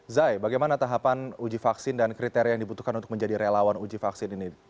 zai bagaimana tahapan uji vaksin dan kriteria yang dibutuhkan untuk menjadi relawan uji vaksin ini